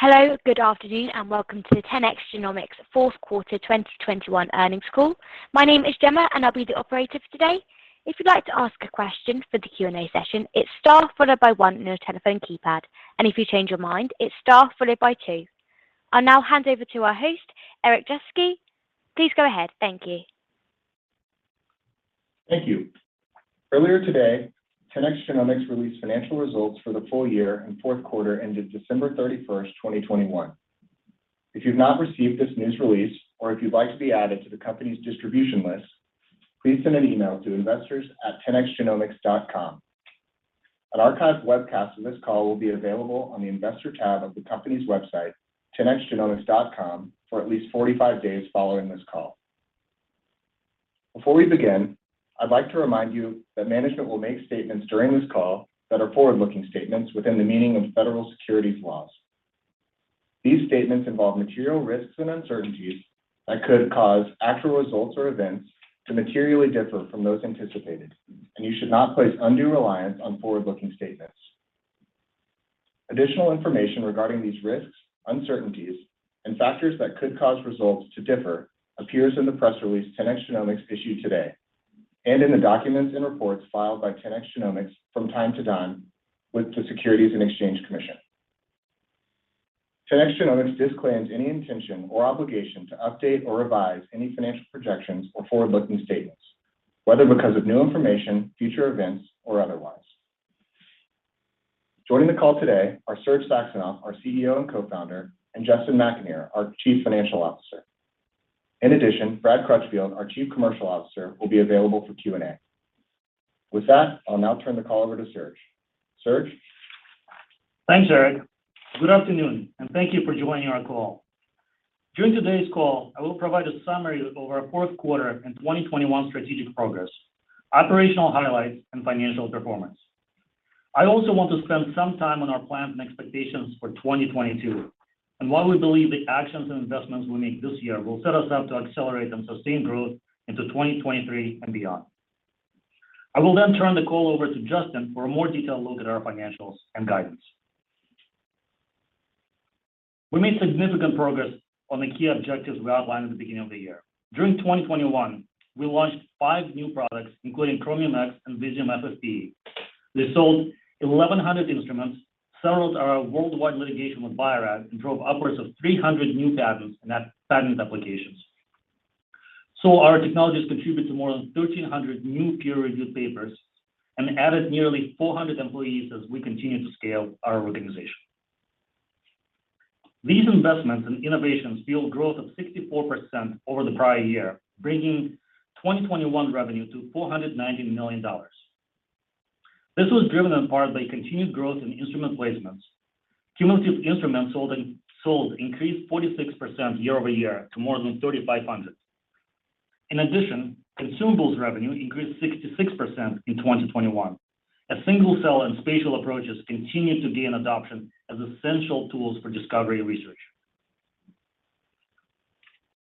Hello, good afternoon and welcome to the 10x Genomics fourth quarter 2021 earnings call. My name is Gemma and I'll be the operator for today. If you'd like to ask a question for the Q&A session, it's Star followed by one on your telephone keypad. If you change your mind, it's Star followed by two. I'll now hand over to our host, Eric Jeschke. Please go ahead. Thank you. Thank you. Earlier today, 10x Genomics released financial results for the full year and fourth quarter ended December 31, 2021. If you've not received this news release, or if you'd like to be added to the company's distribution list, please send an email to investors@10xgenomics.com. An archived webcast of this call will be available on the Investor tab of the company's website, 10xgenomics.com, for at least 45 days following this call. Before we begin, I'd like to remind you that management will make statements during this call that are forward-looking statements within the meaning of federal securities laws. These statements involve material risks and uncertainties that could cause actual results or events to materially differ from those anticipated, and you should not place undue reliance on forward-looking statements. Additional information regarding these risks, uncertainties, and factors that could cause results to differ appears in the press release 10x Genomics issued today, and in the documents and reports filed by 10x Genomics from time to time with the Securities and Exchange Commission. 10x Genomics disclaims any intention or obligation to update or revise any financial projections or forward-looking statements, whether because of new information, future events, or otherwise. Joining the call today are Serge Saxonov, our CEO and Co-founder, and Justin McAnear, our Chief Financial Officer. In addition, Brad Crutchfield, our Chief Commercial Officer, will be available for Q&A. With that, I'll now turn the call over to Serge. Serge? Thanks, Eric. Good afternoon, and thank you for joining our call. During today's call, I will provide a summary of our fourth quarter and 2021 strategic progress, operational highlights, and financial performance. I also want to spend some time on our plans and expectations for 2022, and why we believe the actions and investments we make this year will set us up to accelerate and sustain growth into 2023 and beyond. I will then turn the call over to Justin for a more detailed look at our financials and guidance. We made significant progress on the key objectives we outlined at the beginning of the year. During 2021, we launched five new products, including Chromium X and Visium FFPE. We sold 1,100 instruments, settled our worldwide litigation with Bio-Rad, and drove upwards of 300 new patents and patent applications. Our technologies contributed to more than 1,300 new peer-reviewed papers and added nearly 400 employees as we continue to scale our organization. These investments and innovations fueled growth of 64% over the prior year, bringing 2021 revenue to $490 million. This was driven in part by continued growth in instrument placements. Cumulative instruments sold increased 46% year-over-year to more than 3,500. In addition, consumables revenue increased 66% in 2021 as single-cell and spatial approaches continue to gain adoption as essential tools for discovery and research.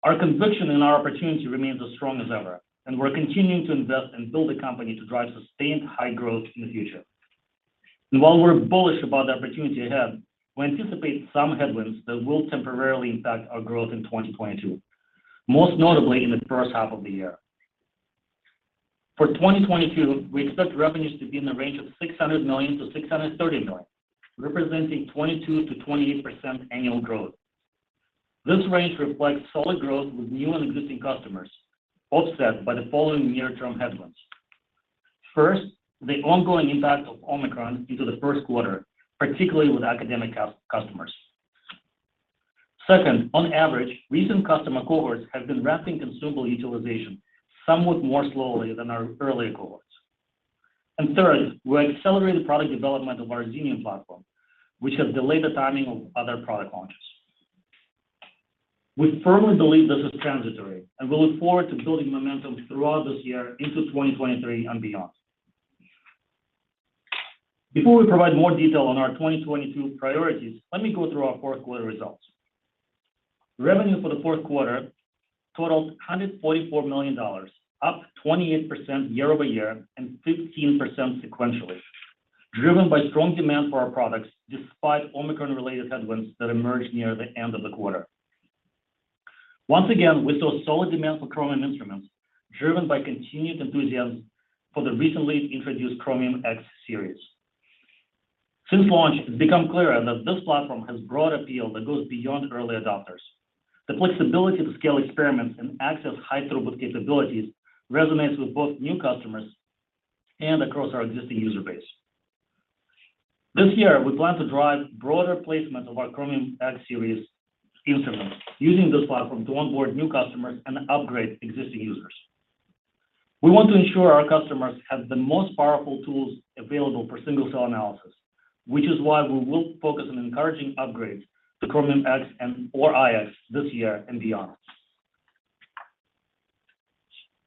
Our conviction in our opportunity remains as strong as ever, and we're continuing to invest and build a company to drive sustained high growth in the future. While we're bullish about the opportunity ahead, we anticipate some headwinds that will temporarily impact our growth in 2022, most notably in the first half of the year. For 2022, we expect revenues to be in the range of $600 million-$630 million, representing 22%-28% annual growth. This range reflects solid growth with new and existing customers, offset by the following near-term headwinds. First, the ongoing impact of Omicron into the first quarter, particularly with academic customers. Second, on average, recent customer cohorts have been ramping consumable utilization somewhat more slowly than our earlier cohorts. Third, we're accelerating product development of our Xenium platform, which has delayed the timing of other product launches. We firmly believe this is transitory, and we look forward to building momentum throughout this year into 2023 and beyond. Before we provide more detail on our 2022 priorities, let me go through our fourth quarter results. Revenue for the fourth quarter totaled $144 million, up 28% year-over-year and 15% sequentially, driven by strong demand for our products despite Omicron-related headwinds that emerged near the end of the quarter. Once again, we saw solid demand for Chromium instruments, driven by continued enthusiasm for the recently introduced Chromium X series. Since launch, it's become clearer that this platform has broad appeal that goes beyond early adopters. The flexibility to scale experiments and access high-throughput capabilities resonates with both new customers and across our existing user base. This year, we plan to drive broader placement of our Chromium X series instruments using this platform to onboard new customers and upgrade existing users. We want to ensure our customers have the most powerful tools available for single-cell analysis, which is why we will focus on encouraging upgrades to Chromium X and or iX this year and beyond.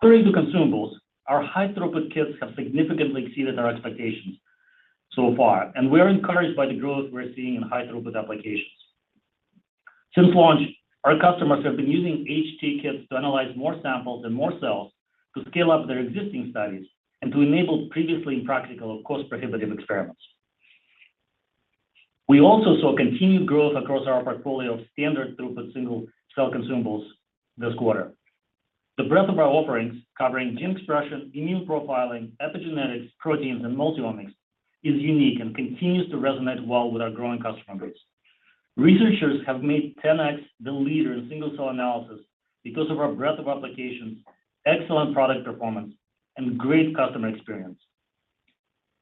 Turning to consumables, our high-throughput kits have significantly exceeded our expectations so far, and we are encouraged by the growth we're seeing in high-throughput applications. Since launch, our customers have been using HT kits to analyze more samples and more cells to scale up their existing studies and to enable previously impractical or cost-prohibitive experiments. We also saw continued growth across our portfolio of standard throughput single-cell consumables this quarter. The breadth of our offerings covering gene expression, immune profiling, epigenetics, proteins, and multi-omics is unique and continues to resonate well with our growing customer base. Researchers have made 10x the leader in single-cell analysis because of our breadth of applications, excellent product performance, and great customer experience,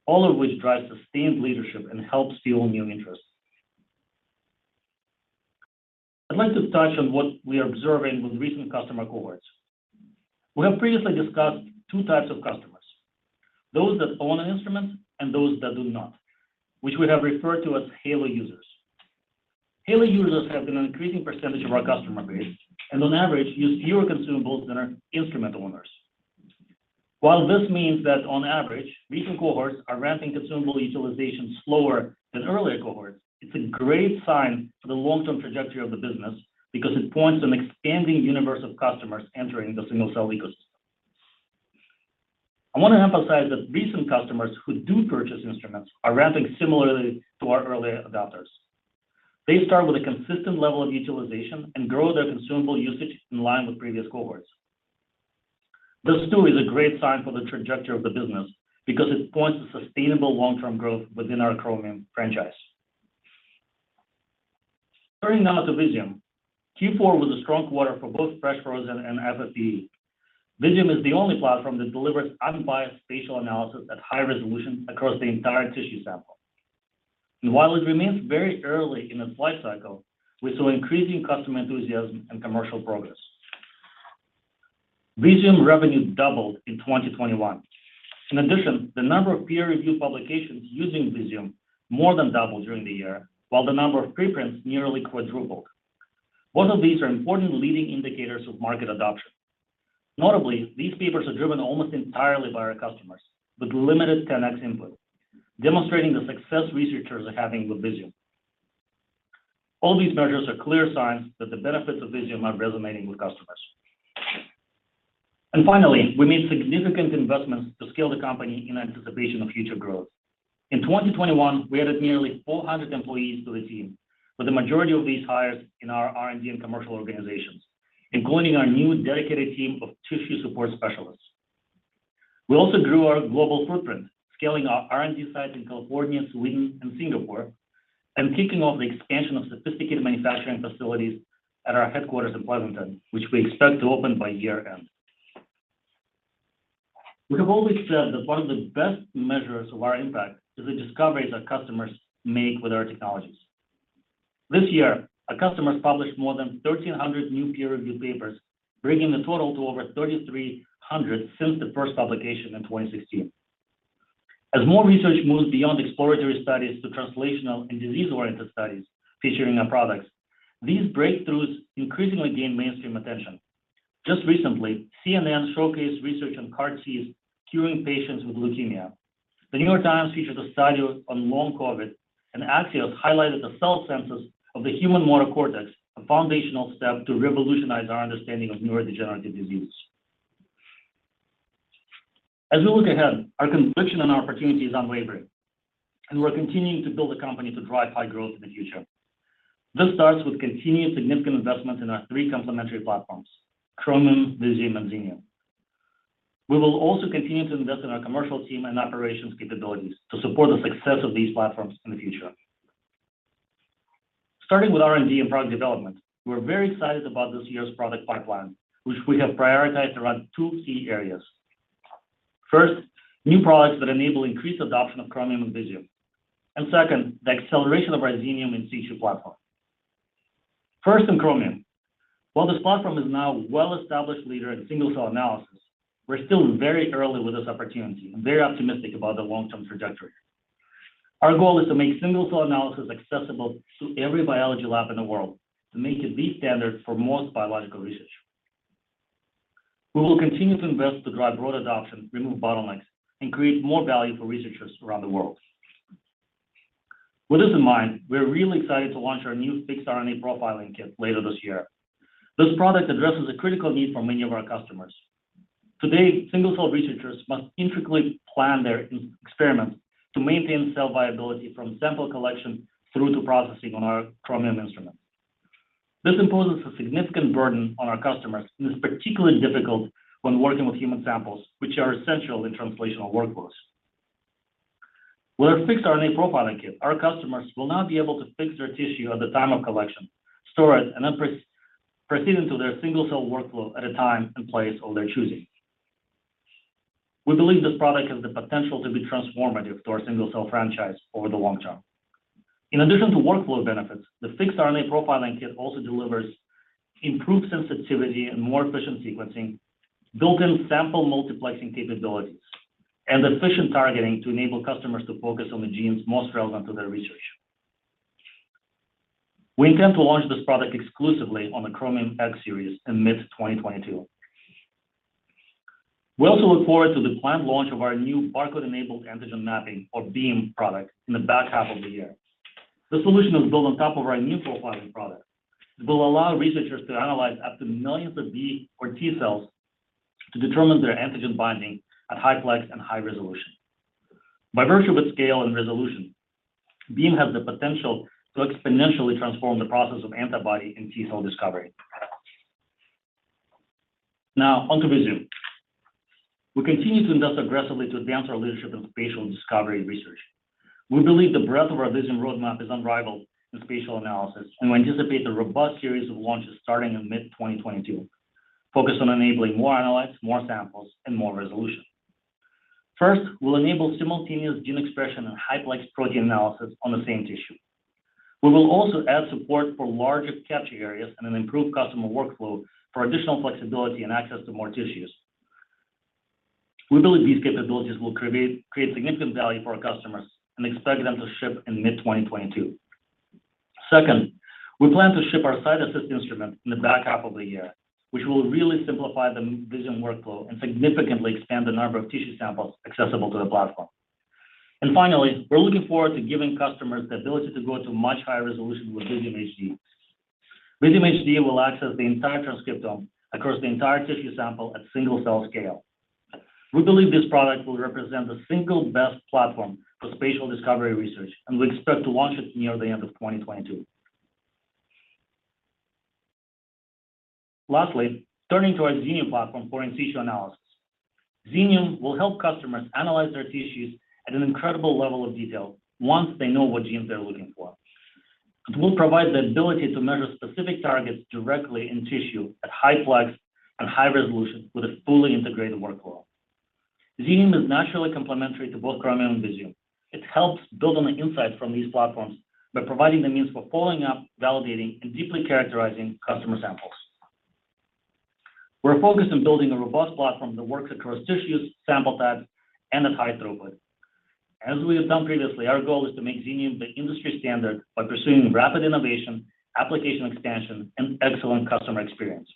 all of which drives sustained leadership and helps fuel new interest. I'd like to touch on what we are observing with recent customer cohorts. We have previously discussed two types of customers, those that own an instrument and those that do not, which we have referred to as halo users. Halo users have been an increasing percentage of our customer base, and on average, use fewer consumables than our instrumental owners. While this means that on average, recent cohorts are ramping consumable utilization slower than earlier cohorts, it's a great sign for the long-term trajectory of the business because it points to an expanding universe of customers entering the single-cell ecosystem. I want to emphasize that recent customers who do purchase instruments are ramping similarly to our earlier adopters. They start with a consistent level of utilization and grow their consumable usage in line with previous cohorts. This, too, is a great sign for the trajectory of the business because it points to sustainable long-term growth within our Chromium franchise. Turning now to Visium, Q4 was a strong quarter for both fresh frozen and FFPE. Visium is the only platform that delivers unbiased spatial analysis at high resolution across the entire tissue sample. While it remains very early in its life cycle, we saw increasing customer enthusiasm and commercial progress. Visium revenue doubled in 2021. In addition, the number of peer-reviewed publications using Visium more than doubled during the year, while the number of preprints nearly quadrupled. Both of these are important leading indicators of market adoption. Notably, these papers are driven almost entirely by our customers with limited 10x input, demonstrating the success researchers are having with Visium. All these measures are clear signs that the benefits of Visium are resonating with customers. Finally, we made significant investments to scale the company in anticipation of future growth. In 2021, we added nearly 400 employees to the team, with the majority of these hires in our R&D and commercial organizations, including our new dedicated team of tissue support specialists. We also grew our global footprint, scaling our R&D sites in California, Sweden, and Singapore, and kicking off the expansion of sophisticated manufacturing facilities at our headquarters in Pleasanton, which we expect to open by year-end. We have always said that one of the best measures of our impact is the discoveries that customers make with our technologies. This year, our customers published more than 1,300 new peer-reviewed papers, bringing the total to over 3,300 since the first publication in 2016. As more research moves beyond exploratory studies to translational and disease-oriented studies featuring our products, these breakthroughs increasingly gain mainstream attention. Just recently, CNN showcased research on CAR-Ts curing patients with leukemia. The New York Times featured a study on long COVID, and Axios highlighted the cell census of the human motor cortex, a foundational step to revolutionize our understanding of neurodegenerative disease. As we look ahead, our conviction and our opportunity is unwavering, and we're continuing to build a company to drive high growth in the future. This starts with continued significant investment in our three complementary platforms, Chromium, Visium, and Xenium. We will also continue to invest in our commercial team and operations capabilities to support the success of these platforms in the future. Starting with R&D and product development, we're very excited about this year's product pipeline, which we have prioritized around two key areas. First, new products that enable increased adoption of Chromium and Visium. Second, the acceleration of our Xenium in situ platform. First, on Chromium. While this platform is now a well-established leader in single-cell analysis, we're still very early with this opportunity and very optimistic about the long-term trajectory. Our goal is to make single-cell analysis accessible to every biology lab in the world to make it the standard for most biological research. We will continue to invest to drive broad adoption, remove bottlenecks, and create more value for researchers around the world. With this in mind, we're really excited to launch our new Fixed RNA Profiling Kit later this year. This product addresses a critical need for many of our customers. Today, single-cell researchers must intricately plan their experiments to maintain cell viability from sample collection through to processing on our Chromium instrument. This imposes a significant burden on our customers, and it's particularly difficult when working with human samples, which are essential in translational workflows. With our Fixed RNA Profiling Kit, our customers will now be able to fix their tissue at the time of collection, store it, and then proceed into their single-cell workflow at a time and place of their choosing. We believe this product has the potential to be transformative to our single-cell franchise over the long term. In addition to workflow benefits, the Fixed RNA Profiling Kit also delivers improved sensitivity and more efficient sequencing, built-in sample multiplexing capabilities, and efficient targeting to enable customers to focus on the genes most relevant to their research. We intend to launch this product exclusively on the Chromium X Series in mid-2022. We also look forward to the planned launch of our new Barcode-Enabled Antigen Mapping, or BEAM, product in the back half of the year. The solution is built on top of our new profiling product. It will allow researchers to analyze up to millions of B or T cells to determine their antigen binding at high plex and high resolution. By virtue of its scale and resolution, BEAM has the potential to exponentially transform the process of antibody and T-cell discovery. Now, onto Visium. We continue to invest aggressively to advance our leadership in spatial discovery research. We believe the breadth of our Visium roadmap is unrivaled in spatial analysis, and we anticipate a robust series of launches starting in mid-2022, focused on enabling more analytes, more samples, and more resolution. First, we'll enable simultaneous gene expression and high plex protein analysis on the same tissue. We will also add support for larger capture areas and an improved customer workflow for additional flexibility and access to more tissues. We believe these capabilities will create significant value for our customers and expect them to ship in mid-2022. Second, we plan to ship our CytAssist instrument in the back half of the year, which will really simplify the Visium workflow and significantly expand the number of tissue samples accessible to the platform. Finally, we're looking forward to giving customers the ability to go to much higher resolution with Visium HD. Visium HD will access the entire transcriptome across the entire tissue sample at single-cell scale. We believe this product will represent the single best platform for spatial discovery research, and we expect to launch it near the end of 2022. Lastly, turning to our Xenium platform for in situ analysis. Xenium will help customers analyze their tissues at an incredible level of detail once they know what genes they're looking for. It will provide the ability to measure specific targets directly in tissue at high plex and high resolution with a fully integrated workflow. Xenium is naturally complementary to both Chromium and Visium. It helps build on the insights from these platforms by providing the means for following up, validating, and deeply characterizing customer samples. We're focused on building a robust platform that works across tissues, sample types, and at high throughput. As we have done previously, our goal is to make Xenium the industry standard by pursuing rapid innovation, application expansion, and excellent customer experience.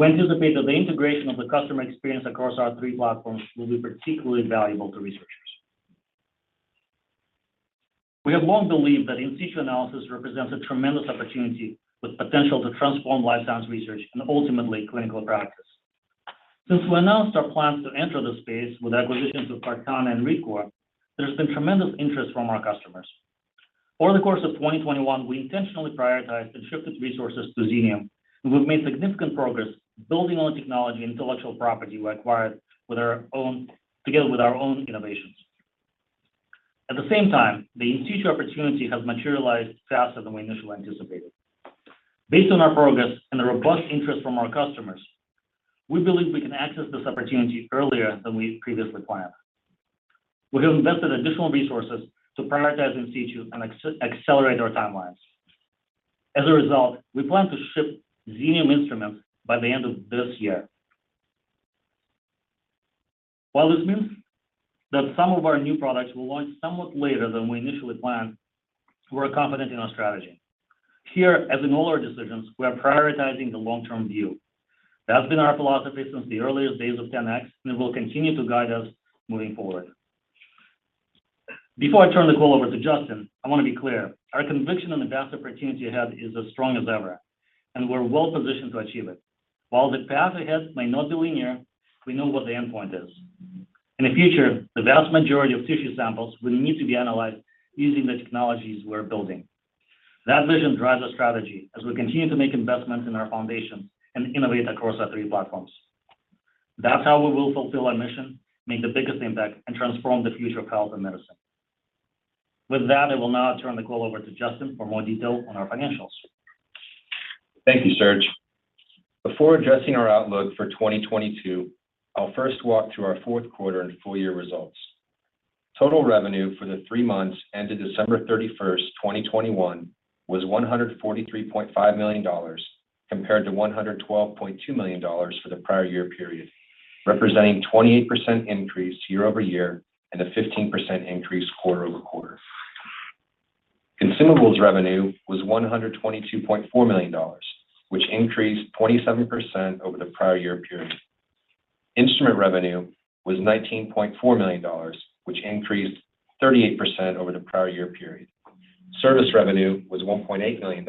We anticipate that the integration of the customer experience across our three platforms will be particularly valuable to researchers. We have long believed that in situ analysis represents a tremendous opportunity with potential to transform life science research and ultimately clinical practice. Since we announced our plans to enter the space with acquisitions of CartaNA and ReadCoor, there's been tremendous interest from our customers. Over the course of 2021, we intentionally prioritized and shifted resources to Xenium, and we've made significant progress building on the technology and intellectual property we acquired together with our own innovations. At the same time, the in situ opportunity has materialized faster than we initially anticipated. Based on our progress and the robust interest from our customers, we believe we can access this opportunity earlier than we previously planned. We have invested additional resources to prioritize in situ and accelerate our timelines. As a result, we plan to ship Xenium instruments by the end of this year. While this means that some of our new products will launch somewhat later than we initially planned, we're confident in our strategy. Here, as in all our decisions, we are prioritizing the long-term view. That's been our philosophy since the earliest days of 10x, and it will continue to guide us moving forward. Before I turn the call over to Justin, I want to be clear, our conviction on the vast opportunity ahead is as strong as ever, and we're well positioned to achieve it. While the path ahead may not be linear, we know what the endpoint is. In the future, the vast majority of tissue samples will need to be analyzed using the technologies we're building. That vision drives our strategy as we continue to make investments in our foundations and innovate across our three platforms. That's how we will fulfill our mission, make the biggest impact, and transform the future of health and medicine. With that, I will now turn the call over to Justin for more detail on our financials. Thank you, Serge. Before addressing our outlook for 2022, I'll first walk through our fourth quarter and full year results. Total revenue for the three months ended December 31, 2021 was $143.5 million compared to $112.2 million for the prior year period, representing 28% increase year-over-year and a 15% increase quarter-over-quarter. Consumables revenue was $122.4 million, which increased 27% over the prior year period. Instrument revenue was $19.4 million, which increased 38% over the prior year period. Service revenue was $1.8 million,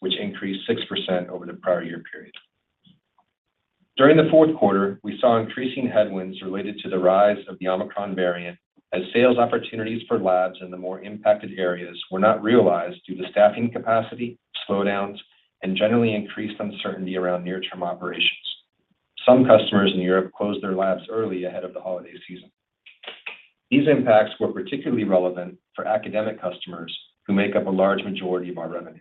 which increased 6% over the prior year period. During the fourth quarter, we saw increasing headwinds related to the rise of the Omicron variant as sales opportunities for labs in the more impacted areas were not realized due to staffing capacity, slowdowns, and generally increased uncertainty around near-term operations. Some customers in Europe closed their labs early ahead of the holiday season. These impacts were particularly relevant for academic customers who make up a large majority of our revenue.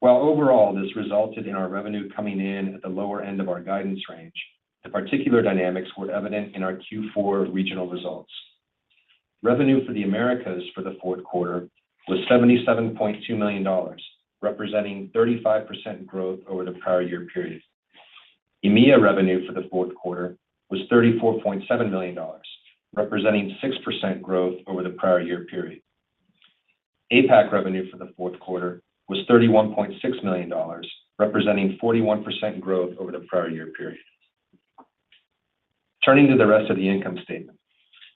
While overall this resulted in our revenue coming in at the lower end of our guidance range, the particular dynamics were evident in our Q4 regional results. Revenue for the Americas for the fourth quarter was $77.2 million, representing 35% growth over the prior year period. EMEA revenue for the fourth quarter was $34.7 million, representing 6% growth over the prior year period. APAC revenue for the fourth quarter was $31.6 million, representing 41% growth over the prior year period. Turning to the rest of the income statement.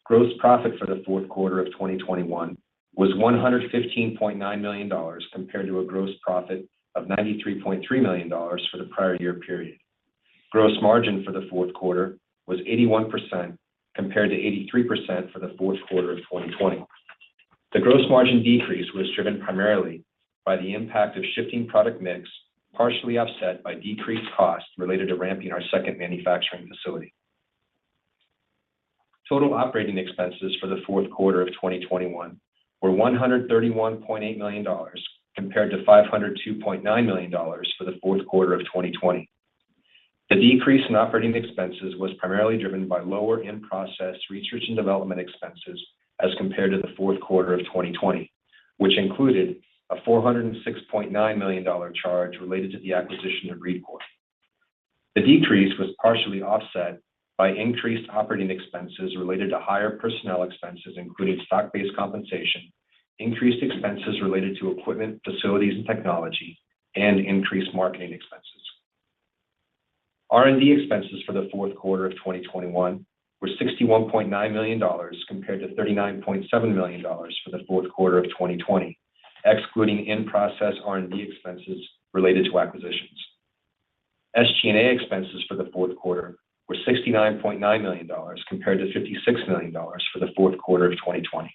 Gross profit for the fourth quarter of 2021 was $115.9 million compared to a gross profit of $93.3 million for the prior year period. Gross margin for the fourth quarter was 81% compared to 83% for the fourth quarter of 2020. The gross margin decrease was driven primarily by the impact of shifting product mix, partially offset by decreased costs related to ramping our second manufacturing facility. Total operating expenses for the fourth quarter of 2021 were $131.8 million compared to $502.9 million for the fourth quarter of 2020. The decrease in operating expenses was primarily driven by lower in-process research and development expenses as compared to the fourth quarter of 2020, which included a $406.9 million dollar charge related to the acquisition of ReadCoor. The decrease was partially offset by increased operating expenses related to higher personnel expenses, including stock-based compensation, increased expenses related to equipment, facilities, and technology, and increased marketing expenses. R&D expenses for the fourth quarter of 2021 were $61.9 million compared to $39.7 million for the fourth quarter of 2020, excluding in-process R&D expenses related to acquisitions. SG&A expenses for the fourth quarter were $69.9 million compared to $56 million for the fourth quarter of 2020.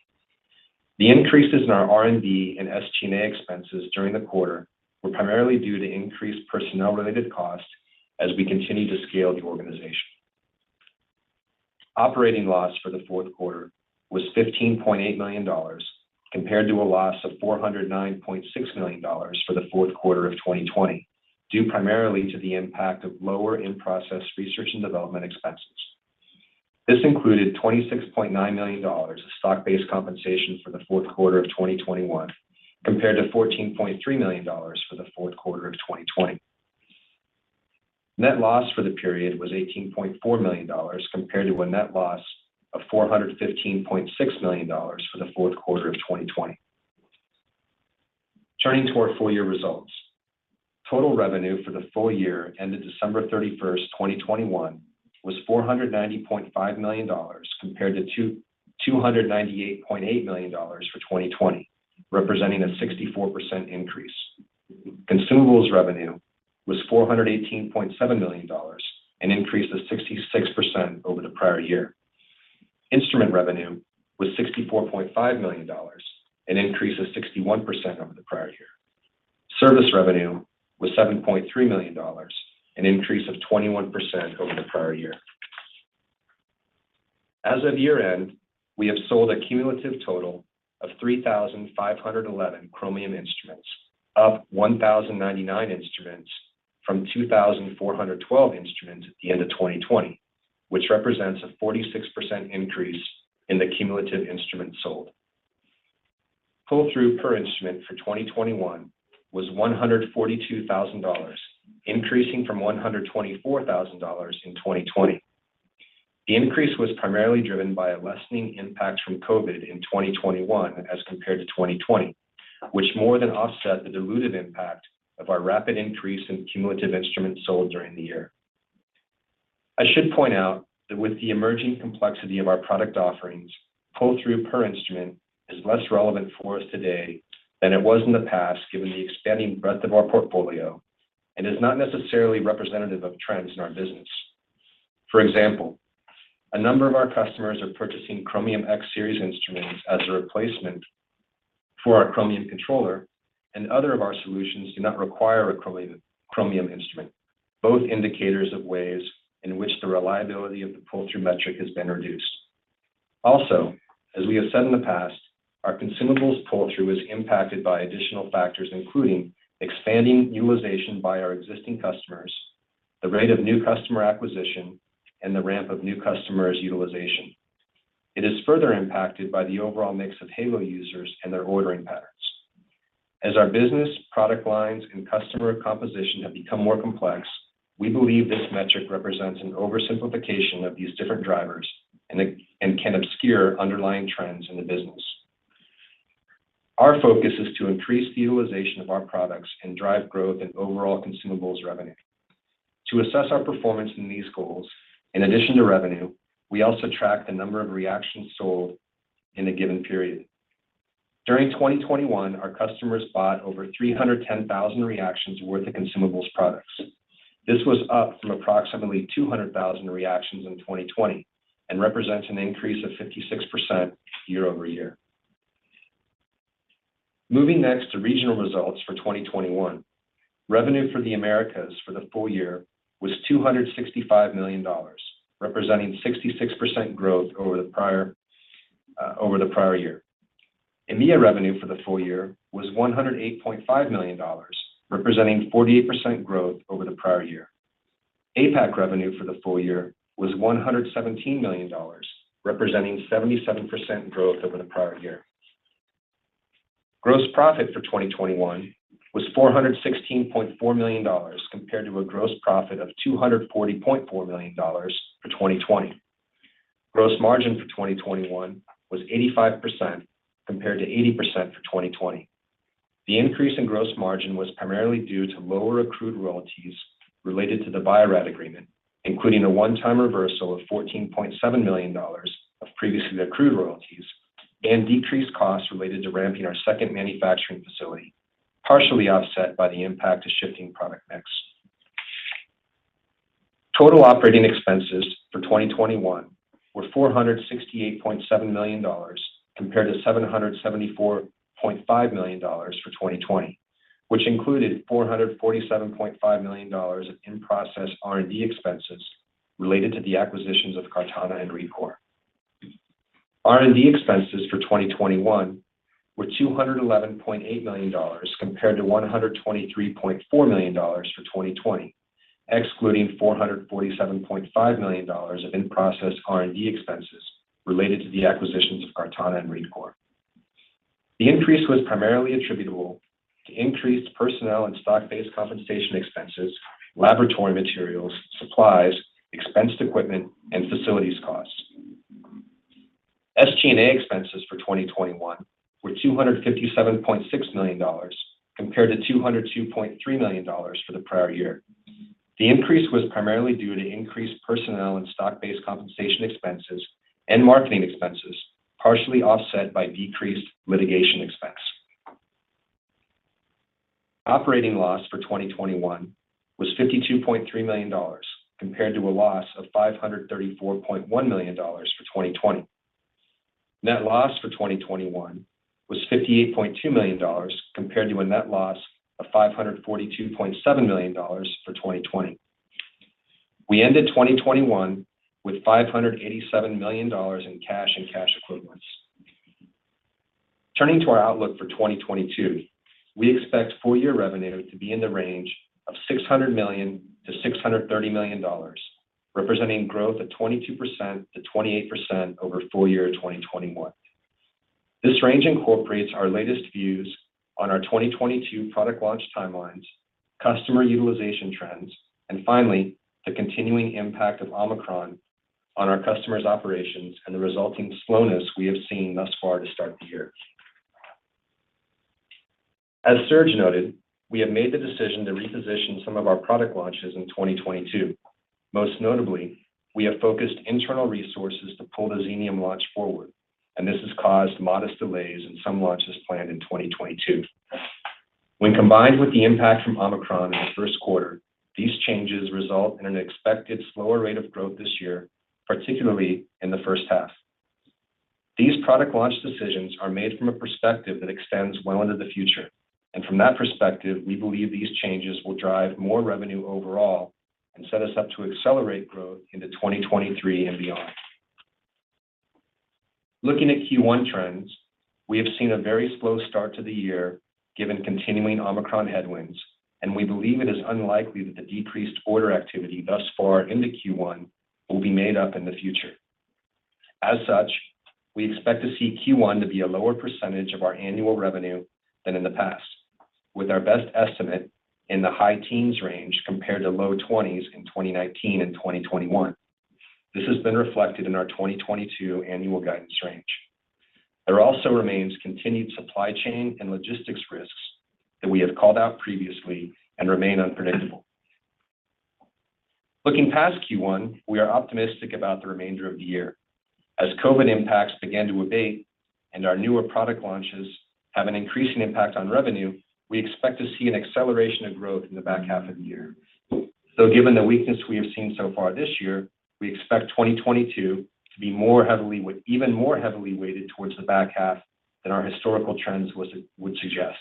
The increases in our R&D and SG&A expenses during the quarter were primarily due to increased personnel-related costs as we continue to scale the organization. Operating loss for the fourth quarter was $15.8 million compared to a loss of $409.6 million for the fourth quarter of 2020, due primarily to the impact of lower in-process research and development expenses. This included $26.9 million of stock-based compensation for the fourth quarter of 2021 compared to $14.3 million for the fourth quarter of 2020. Net loss for the period was $18.4 million compared to a net loss of $415.6 million for the fourth quarter of 2020. Turning to our full year results. Total revenue for the full year ended December 31, 2021 was $490.5 million compared to $298.8 million for 2020, representing a 64% increase. Consumables revenue was $418.7 million, an increase of 66% over the prior year. Instrument revenue was $64.5 million, an increase of 61% over the prior year. Service revenue was $7.3 million, an increase of 21% over the prior year. As of year-end, we have sold a cumulative total of 3,511 Chromium instruments, up 1,099 instruments from 2,412 instruments at the end of 2020, which represents a 46% increase in the cumulative instruments sold. Pull-through per instrument for 2021 was $142,000, increasing from $124,000 in 2020. The increase was primarily driven by a lessening impact from COVID in 2021 as compared to 2020, which more than offset the dilutive impact of our rapid increase in cumulative instruments sold during the year. I should point out that with the emerging complexity of our product offerings, pull-through per instrument is less relevant for us today than it was in the past, given the expanding breadth of our portfolio, and is not necessarily representative of trends in our business. For example, a number of our customers are purchasing Chromium X Series instruments as a replacement for our Chromium Controller, and other of our solutions do not require a Chromium instrument, both indicators of ways in which the reliability of the pull-through metric has been reduced. Also, as we have said in the past, our consumables pull-through is impacted by additional factors, including expanding utilization by our existing customers, the rate of new customer acquisition, and the ramp of new customers' utilization. It is further impacted by the overall mix of HALO users and their ordering patterns. As our business, product lines, and customer composition have become more complex, we believe this metric represents an oversimplification of these different drivers and it can obscure underlying trends in the business. Our focus is to increase the utilization of our products and drive growth in overall consumables revenue. To assess our performance in these goals, in addition to revenue, we also track the number of reactions sold in a given period. During 2021, our customers bought over 310,000 reactions worth of consumables products. This was up from approximately 200,000 reactions in 2020 and represents an increase of 56% year-over-year. Moving next to regional results for 2021. Revenue for the Americas for the full year was $265 million, representing 66% growth over the prior year. EMEA revenue for the full year was $108.5 million, representing 48% growth over the prior year. APAC revenue for the full year was $117 million, representing 77% growth over the prior year. Gross profit for 2021 was $416.4 million compared to a gross profit of $240.4 million for 2020. Gross margin for 2021 was 85% compared to 80% for 2020. The increase in gross margin was primarily due to lower accrued royalties related to the Bio-Rad agreement, including a one-time reversal of $14.7 million of previously accrued royalties and decreased costs related to ramping our second manufacturing facility, partially offset by the impact of shifting product mix. Total operating expenses for 2021 were $468.7 million compared to $774.5 million for 2020, which included $447.5 million of in-process R&D expenses related to the acquisitions of CartaNA and ReadCoor. R&D expenses for 2021 were $211.8 million compared to $123.4 million for 2020, excluding $447.5 million of in-process R&D expenses related to the acquisitions of CartaNA and ReadCoor. The increase was primarily attributable to increased personnel and stock-based compensation expenses, laboratory materials, supplies, expensed equipment, and facilities costs. SG&A expenses for 2021 were $257.6 million compared to $202.3 million for the prior year. The increase was primarily due to increased personnel and stock-based compensation expenses and marketing expenses, partially offset by decreased litigation expense. Operating loss for 2021 was $52.3 million compared to a loss of $534.1 million for 2020. Net loss for 2021 was $58.2 million compared to a net loss of $542.7 million for 2020. We ended 2021 with $587 million in cash and cash equivalents. Turning to our outlook for 2022, we expect full year revenue to be in the range of $600 million-$630 million, representing growth of 22%-28% over full year 2021. This range incorporates our latest views on our 2022 product launch timelines, customer utilization trends, and finally, the continuing impact of Omicron on our customers' operations and the resulting slowness we have seen thus far to start the year. As Serge noted, we have made the decision to reposition some of our product launches in 2022. Most notably, we have focused internal resources to pull the Xenium launch forward, and this has caused modest delays in some launches planned in 2022. When combined with the impact from Omicron in the first quarter, these changes result in an expected slower rate of growth this year, particularly in the first half. These product launch decisions are made from a perspective that extends well into the future. From that perspective, we believe these changes will drive more revenue overall and set us up to accelerate growth into 2023 and beyond. Looking at Q1 trends, we have seen a very slow start to the year given continuing Omicron headwinds, and we believe it is unlikely that the decreased order activity thus far into Q1 will be made up in the future. As such, we expect to see Q1 to be a lower percentage of our annual revenue than in the past, with our best estimate in the high teens range compared to low twenties in 2019 and 2021. This has been reflected in our 2022 annual guidance range. There also remains continued supply chain and logistics risks that we have called out previously and remain unpredictable. Looking past Q1, we are optimistic about the remainder of the year. As COVID impacts begin to abate and our newer product launches have an increasing impact on revenue, we expect to see an acceleration of growth in the back half of the year. Given the weakness we have seen so far this year, we expect 2022 to be even more heavily weighted toward the back half than our historical trends would suggest,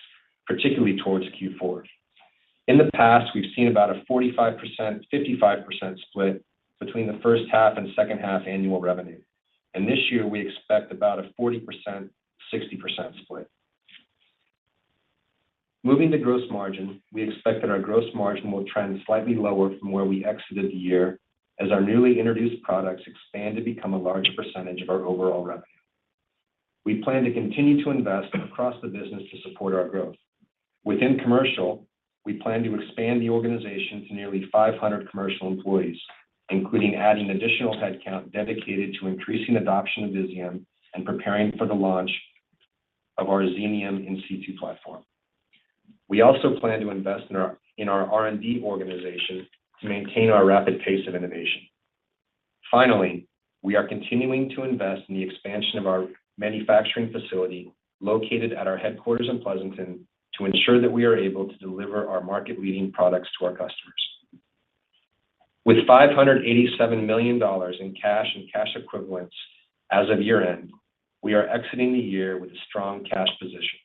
particularly toward Q4. In the past, we've seen about a 45%-55% split between the first half and second half annual revenue. This year, we expect about a 40%-60% split. Moving to gross margin, we expect that our gross margin will trend slightly lower from where we exited the year as our newly introduced products expand to become a larger percentage of our overall revenue. We plan to continue to invest across the business to support our growth. Within commercial, we plan to expand the organization to nearly 500 commercial employees, including adding additional headcount dedicated to increasing adoption of Visium and preparing for the launch of our Xenium in situ platform. We also plan to invest in our R&D organization to maintain our rapid pace of innovation. Finally, we are continuing to invest in the expansion of our manufacturing facility located at our headquarters in Pleasanton to ensure that we are able to deliver our market-leading products to our customers. With $587 million in cash and cash equivalents as of year-end, we are exiting the year with a strong cash position.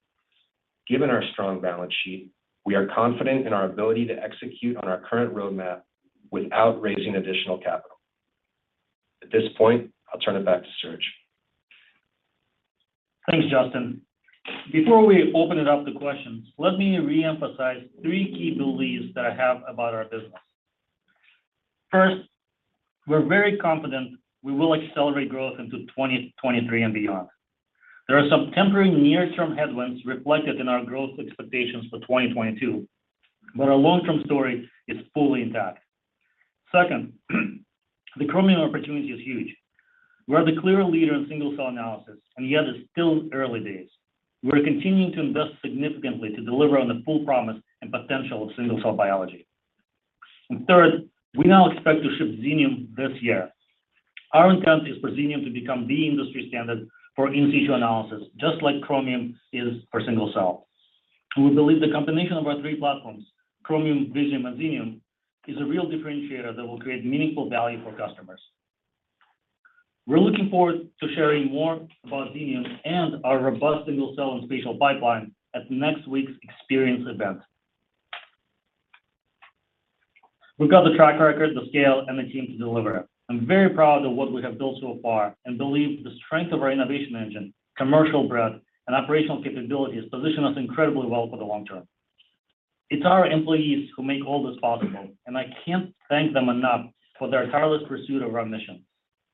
Given our strong balance sheet, we are confident in our ability to execute on our current roadmap without raising additional capital. At this point, I'll turn it back to Serge. Thanks, Justin. Before we open it up to questions, let me reemphasize three key beliefs that I have about our business. First, we're very confident we will accelerate growth into 2023 and beyond. There are some temporary near-term headwinds reflected in our growth expectations for 2022, but our long-term story is fully intact. Second, the Chromium opportunity is huge. We are the clear leader in single-cell analysis, and yet it's still early days. We're continuing to invest significantly to deliver on the full promise and potential of single-cell biology. Third, we now expect to ship Xenium this year. Our intent is for Xenium to become the industry standard for in situ analysis, just like Chromium is for single-cell. We believe the combination of our three platforms, Chromium, Visium, and Xenium, is a real differentiator that will create meaningful value for customers. We're looking forward to sharing more about Xenium and our robust single-cell and spatial pipeline at next week's Experience event. We've got the track record, the scale, and the team to deliver. I'm very proud of what we have built so far and believe the strength of our innovation engine, commercial breadth, and operational capabilities position us incredibly well for the long term. It's our employees who make all this possible, and I can't thank them enough for their tireless pursuit of our mission.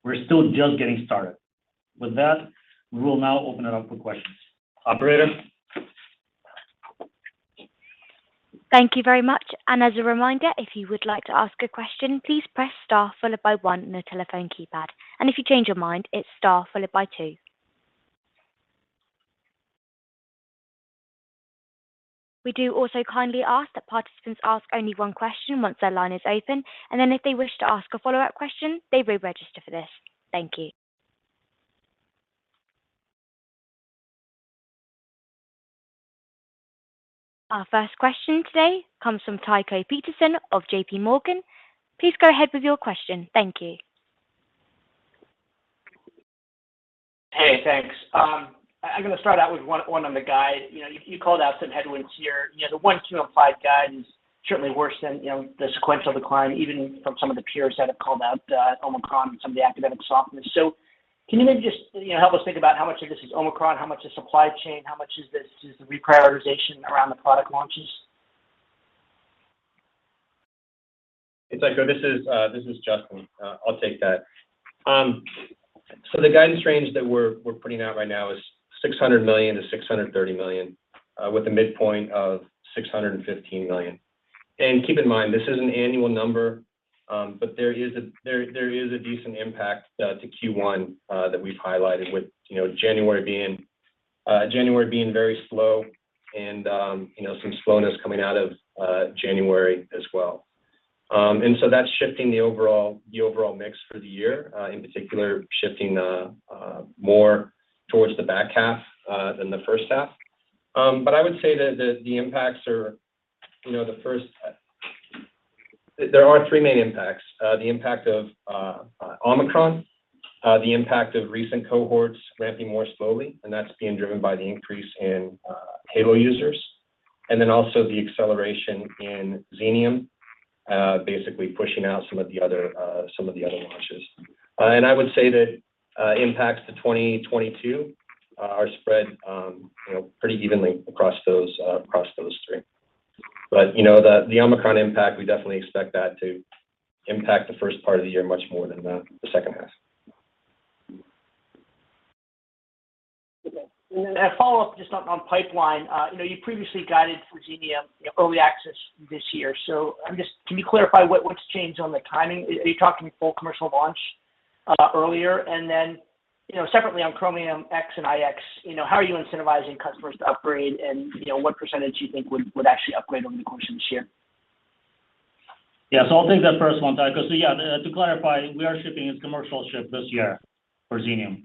We're still just getting started. With that, we will now open it up for questions. Operator? Thank you very much. As a reminder, if you would like to ask a question, please press star followed by one on your telephone keypad. If you change your mind, it's star followed by two. We do also kindly ask that participants ask only one question once their line is open, and then if they wish to ask a follow-up question, they re-register for this. Thank you. Our first question today comes from Tycho Peterson of J.P. Morgan. Please go ahead with your question. Thank you. Hey, thanks. I'm gonna start out with one on the guide. You know, you called out some headwinds here. You know, the 1Q implied guide is certainly worse than, you know, the sequential decline, even from some of the peers that have called out the Omicron and some of the academic softness. Can you maybe just, you know, help us think about how much of this is Omicron, how much is supply chain, how much is the reprioritization around the product launches? Hey, Tycho, this is Justin. I'll take that. The guidance range that we're putting out right now is $600 million-$630 million with a midpoint of $615 million. Keep in mind, this is an annual number, but there is a decent impact to Q1 that we've highlighted with, you know, January being very slow and, you know, some slowness coming out of January as well. That's shifting the overall mix for the year, in particular shifting more towards the back half than the first half. I would say that the impacts are, you know, the first. There are three main impacts. The impact of Omicron, the impact of recent cohorts ramping more slowly, and that's being driven by the increase in HALO users, and then also the acceleration in Xenium, basically pushing out some of the other launches. I would say that impacts to 2022 are spread, you know, pretty evenly across those three. You know, the Omicron impact, we definitely expect that to impact the first part of the year much more than the second half. Okay. A follow-up just on pipeline. You know, you previously guided for Xenium, you know, early access this year. Can you clarify what's changed on the timing? Are you talking full commercial launch earlier? You know, separately on Chromium X and iX, you know, how are you incentivizing customers to upgrade and, you know, what percentage do you think would actually upgrade over the course of this year? Yeah. I'll take that first one, Tycho. Yeah, to clarify, we are shipping it commercially this year for Xenium.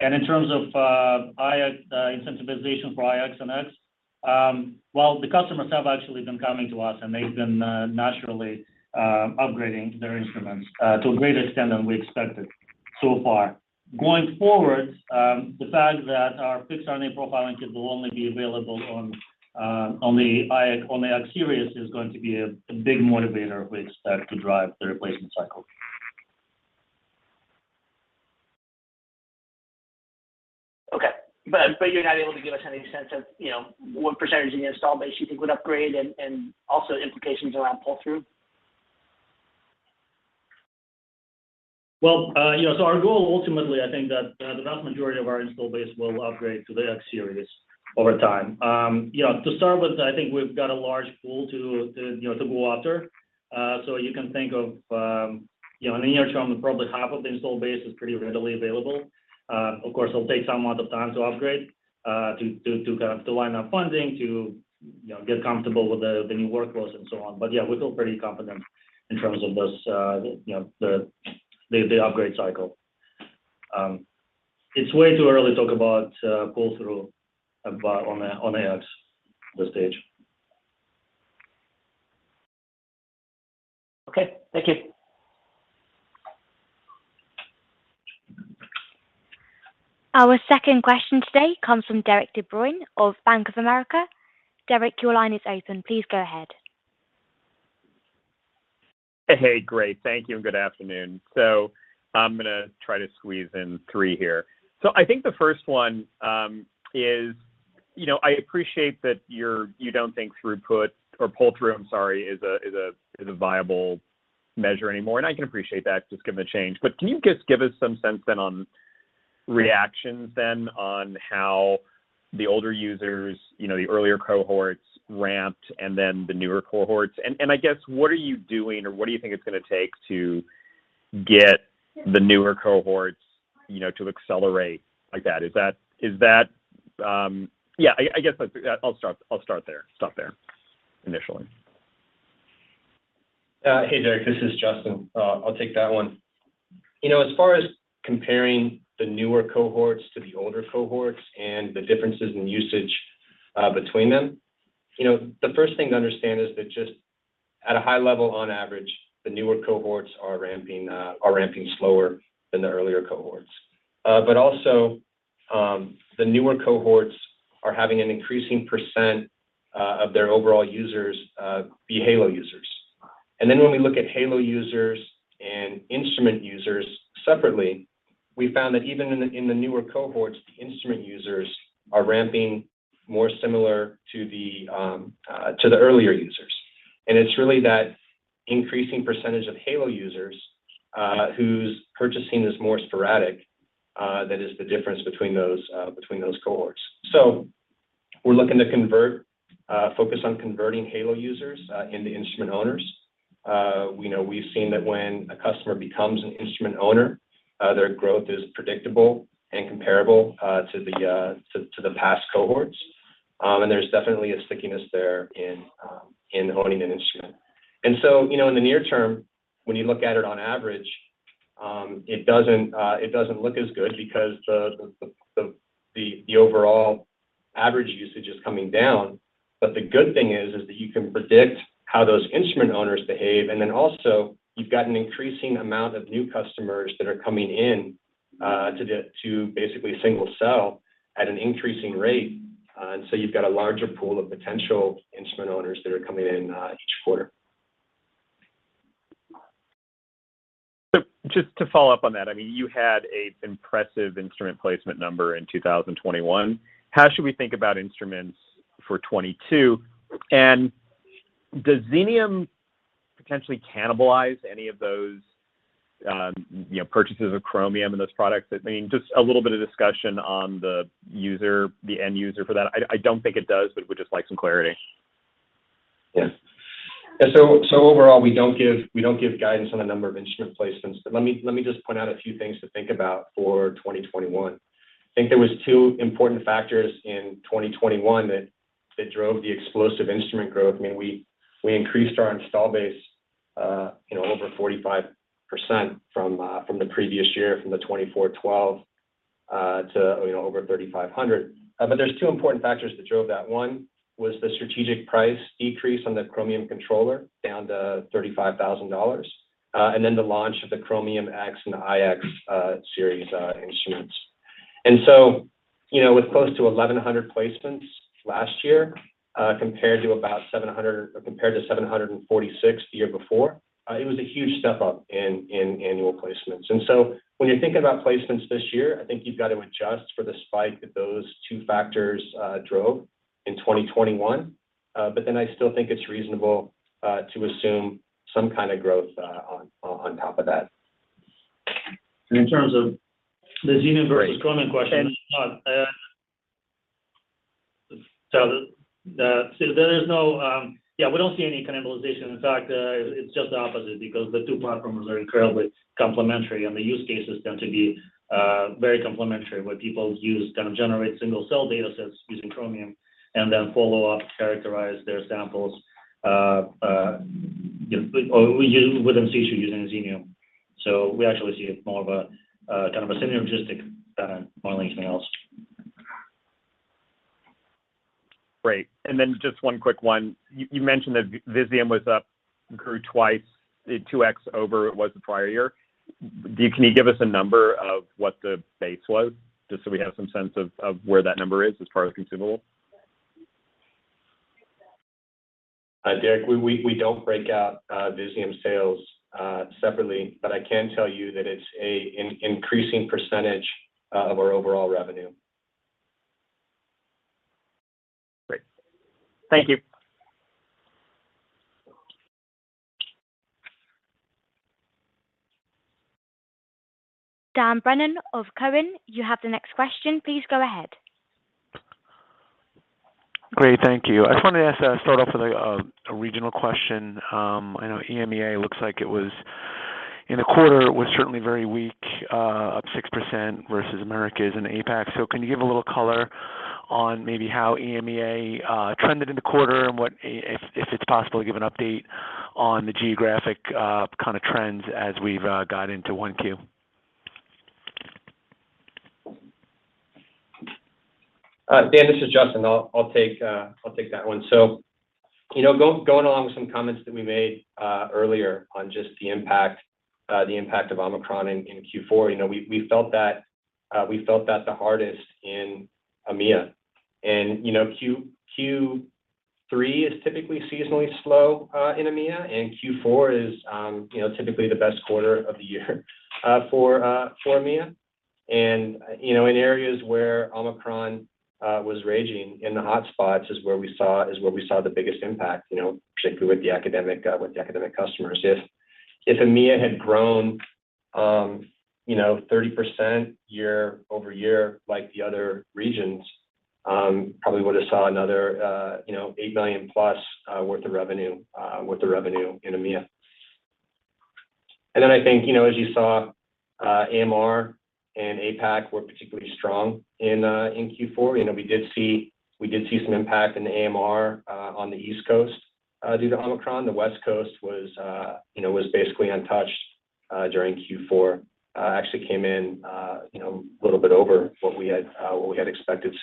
In terms of incentivization for iX and X, the customers have actually been coming to us, and they've been naturally upgrading their instruments to a greater extent than we expected so far. Going forward, the fact that our Fixed RNA Profiling Kit will only be available on the iX, on the iX series is going to be a big motivator which could drive the replacement cycle. Okay. You're not able to give us any sense of, you know, what percentage of the installed base you think would upgrade and also implications around pull-through? Well, you know, our goal ultimately, I think that the vast majority of our installed base will upgrade to the X Series over time. You know, to start with, I think we've got a large pool to go after. You can think of, you know, in the near term, probably half of the installed base is pretty readily available. Of course, it'll take some amount of time to upgrade, to kind of line up funding, to get comfortable with the new workflows and so on. Yeah, we feel pretty confident in terms of this, you know, the upgrade cycle. It's way too early to talk about pull-through on the iX at this stage. Okay. Thank you. Our second question today comes from Derik de Bruin of Bank of America. Derik, your line is open. Please go ahead. Hey. Great. Thank you and good afternoon. I'm gonna try to squeeze in three here. I think the first one is you know, I appreciate that you're you don't think throughput or pull-through, I'm sorry, is a viable measure anymore, and I can appreciate that just given the change. But can you just give us some sense then on reactions then on how the older users, you know, the earlier cohorts ramped and then the newer cohorts? I guess, what are you doing or what do you think it's gonna take to get the newer cohorts, you know, to accelerate like that? Is that. Yeah, I guess I'll start there, stop there initially. Hey, Derik, this is Justin. I'll take that one. You know, as far as comparing the newer cohorts to the older cohorts and the differences in usage between them, you know, the first thing to understand is that just at a high level, on average, the newer cohorts are ramping slower than the earlier cohorts. But also, the newer cohorts are having an increasing percentage of their overall users be HALO users. When we look at HALO users and instrument users separately, we found that even in the newer cohorts, the instrument users are ramping more similar to the earlier users. It's really that increasing percentage of HALO users whose purchasing is more sporadic that is the difference between those cohorts. We're looking to convert, focus on converting HALO users into instrument owners. We know we've seen that when a customer becomes an instrument owner, their growth is predictable and comparable to the past cohorts. There's definitely a stickiness there in owning an instrument. You know, in the near term, when you look at it on average, it doesn't look as good because the overall average usage is coming down. The good thing is that you can predict how those instrument owners behave, and then also you've got an increasing amount of new customers that are coming in to basically single-cell at an increasing rate. You've got a larger pool of potential instrument owners that are coming in each quarter. Just to follow up on that, I mean, you had a impressive instrument placement number in 2021. How should we think about instruments for 2022? And does Xenium potentially cannibalize any of those, you know, purchases of Chromium in those products? I mean, just a little bit of discussion on the user, the end user for that. I don't think it does, but would just like some clarity. Yeah. Overall, we don't give guidance on the number of instrument placements. Let me just point out a few things to think about for 2021. I think there was two important factors in 2021 that drove the explosive instrument growth. I mean, we increased our install base, you know, over 45% from the previous year, from 2,412 to over 3,500. There's two important factors that drove that. One was the strategic price decrease on the Chromium Controller down to $35,000, and then the launch of the Chromium X and the iX series instruments. You know, with close to 1,100 placements last year, compared to 746 the year before, it was a huge step up in annual placements. When you're thinking about placements this year, I think you've got to adjust for the spike that those two factors drove in 2021. I still think it's reasonable to assume some kind of growth on top of that. In terms of the Xenium versus Chromium question, Yeah, we don't see any cannibalization. In fact, it's just the opposite because the two platforms are incredibly complementary, and the use cases tend to be very complementary, where people kind of generate single-cell data sets using Chromium and then follow up, characterize their samples, you know, or with in situ using Xenium. We actually see it more as a kind of a synergistic more than anything else. Great. Just one quick one. You mentioned that Visium grew 2x over what it was the prior year. Can you give us a number on what the base was just so we have some sense of where that number is as far as consumable? Derik, we don't break out Visium sales separately. I can tell you that it's an increasing percentage of our overall revenue. Great. Thank you. Dan Brennan of Cowen, you have the next question. Please go ahead. Great. Thank you. I just wanted to ask, start off with a regional question. I know EMEA looks like it was in the quarter certainly very weak, up 6% versus Americas and APAC. Can you give a little color on maybe how EMEA trended in the quarter and if it's possible to give an update on the geographic kind of trends as we've got into 1Q? Dan, this is Justin. I'll take that one. You know, going along with some comments that we made earlier on just the impact of Omicron in Q4, you know, we felt that the hardest in EMEA. You know, Q3 is typically seasonally slow in EMEA, and Q4 is, you know, typically the best quarter of the year for EMEA. You know, in areas where Omicron was raging in the hotspots is where we saw the biggest impact, you know, particularly with the academic customers. If EMEA had grown, you know, 30% year-over-year like the other regions, probably would've saw another, you know, $8 million plus worth of revenue in EMEA. I think, you know, as you saw, Americas and APAC were particularly strong in Q4. You know, we did see some impact in the Americas on the East Coast due to Omicron. The West Coast was, you know, basically untouched during Q4. Actually came in, you know, a little bit over what we had expected.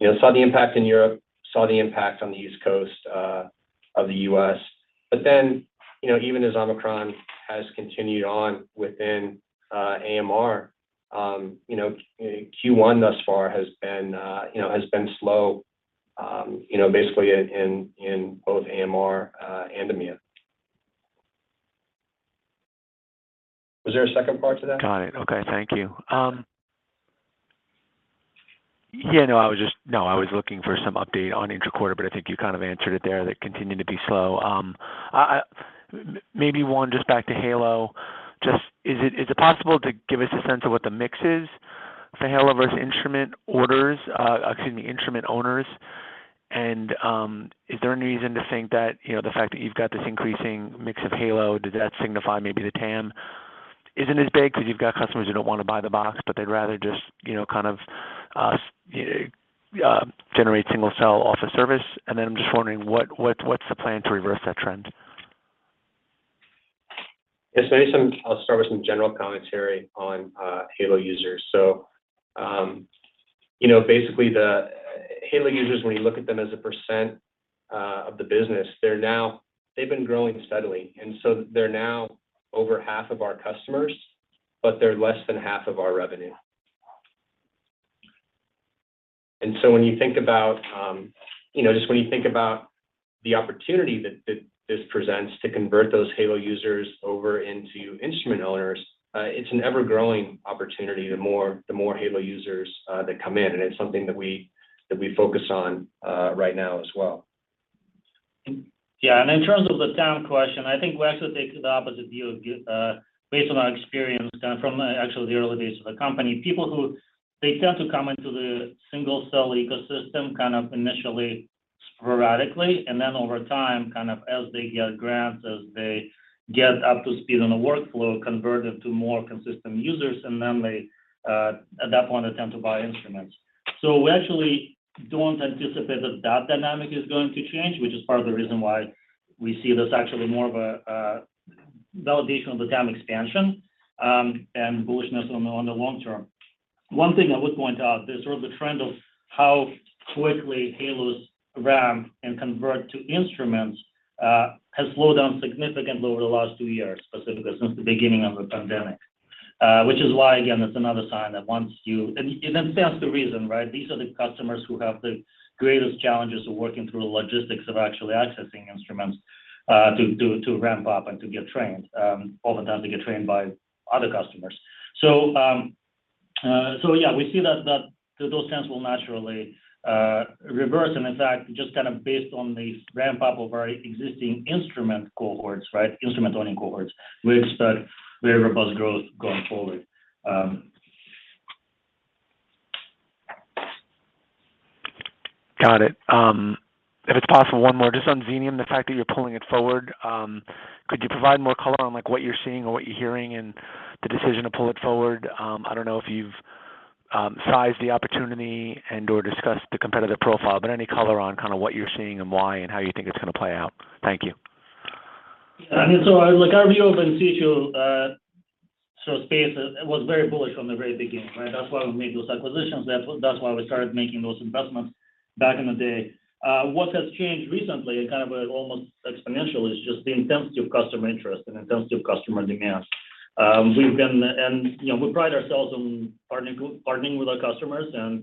You know, saw the impact in Europe, saw the impact on the East Coast of the U.S., but then, you know, even as Omicron has continued on within Americas, you know, Q1 thus far has been slow, you know, basically in both Americas and EMEA. Was there a second part to that? Got it. Okay, thank you. No, I was looking for some update on intraquarter, but I think you kind of answered it there, that continued to be slow. Maybe, Justin, just back to HALO. Is it possible to give us a sense of what the mix is for HALO versus instrument orders, excuse me, instrument owners? And is there any reason to think that, you know, the fact that you've got this increasing mix of HALO, does that signify maybe the TAM isn't as big 'cause you've got customers who don't wanna buy the box, but they'd rather just, you know, kind of generate single-cell off of service? And then I'm just wondering what's the plan to reverse that trend? Yeah. I'll start with some general commentary on HALO users. You know, basically the HALO users, when you look at them as a percent of the business, they've been growing steadily, and they're now over half of our customers, but they're less than half of our revenue. When you think about, you know, just when you think about the opportunity that this presents to convert those HALO users over into instrument owners, it's an ever-growing opportunity the more HALO users that come in, and it's something that we focus on right now as well. Yeah. In terms of the TAM question, I think we actually take the opposite view based on our experience kind of from actually the early days of the company. People tend to come into the single-cell ecosystem kind of initially sporadically, and then over time, kind of as they get grants, as they get up to speed on the workflow, converted to more consistent users, and then they at that point attempt to buy instruments. We actually don't anticipate that dynamic is going to change, which is part of the reason why we see this actually more of a validation of the TAM expansion, and bullishness on the long term. One thing I would point out, sort of the trend of how quickly HALO's ramp and convert to instruments has slowed down significantly over the last two years, specifically since the beginning of the pandemic. Which is why, again, that's another sign. In a sense, the reason, right? These are the customers who have the greatest challenges of working through the logistics of actually accessing instruments to ramp up and to get trained. Oftentimes they get trained by other customers. Yeah, we see that those trends will naturally reverse. In fact, just kind of based on the ramp-up of our existing instrument-owning cohorts, we expect very robust growth going forward. Got it. If it's possible, one more just on Xenium, the fact that you're pulling it forward. Could you provide more color on, like, what you're seeing or what you're hearing in the decision to pull it forward? I don't know if you've sized the opportunity and/or discussed the competitive profile, but any color on kind of what you're seeing and why and how you think it's gonna play out. Thank you. Yeah. I mean, our like our view of in situ sort of space, it was very bullish from the very beginning, right? That's why we made those acquisitions. That's why we started making those investments back in the day. What has changed recently and kind of almost exponentially is just the intensity of customer interest and intensity of customer demand. You know, we pride ourselves on partnering with our customers and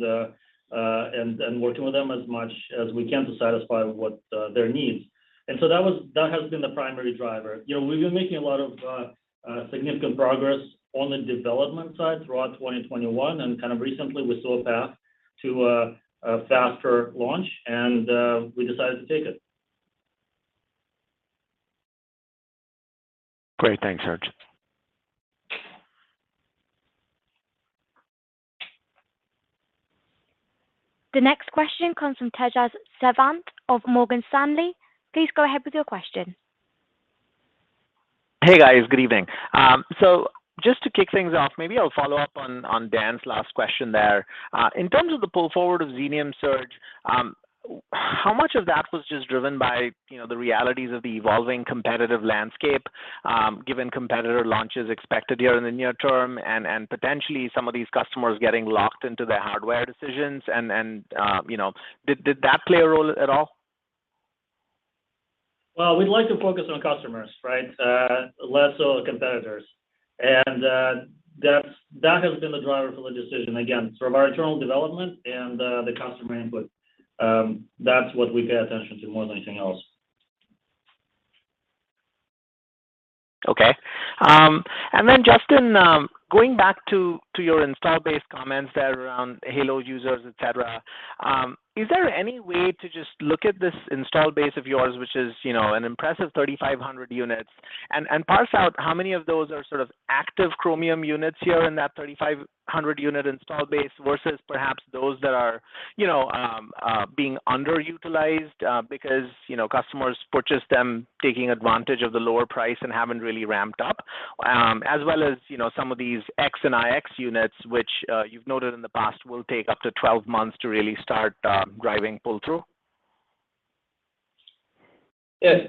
working with them as much as we can to satisfy what their needs. That has been the primary driver. You know, we've been making a lot of significant progress on the development side throughout 2021, and kind of recently we saw a path to a faster launch, and we decided to take it. Great. Thanks, Serge. The next question comes from Tejas Savant of Morgan Stanley. Please go ahead with your question. Hey, guys. Good evening. Just to kick things off, maybe I'll follow up on Dan's last question there. In terms of the pull forward of Xenium, Serge, how much of that was just driven by, you know, the realities of the evolving competitive landscape, given competitor launches expected here in the near term and potentially some of these customers getting locked into their hardware decisions and, you know? Did that play a role at all? Well, we'd like to focus on customers, right? Less so competitors. That has been the driver for the decision, again, sort of our internal development and the customer input. That's what we pay attention to more than anything else. Okay. Justin, going back to your install base comments there around HALO users, et cetera, is there any way to just look at this install base of yours, which is, you know, an impressive 3,500 units and parse out how many of those are sort of active Chromium units here in that 3,500 unit install base versus perhaps those that are, you know, being underutilized, because, you know, customers purchased them taking advantage of the lower price and haven't really ramped up? As well as, you know, some of these X and iX units which you've noted in the past will take up to 12 months to really start driving pull-through. Yes.